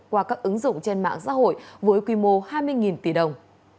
qua các ứng dụng trên mạng xã hội với quy mô hai mươi tỷ đồng